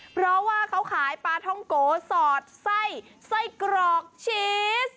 เพราะว่าเขาขายปลาท่องโกสอดไส้ไส้กรอกชีส